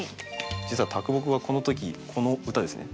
実は木はこの時この歌ですね。